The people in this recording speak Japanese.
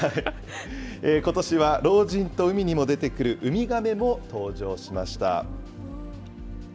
ことしは老人と海にも出てくるウミガメも登場しました。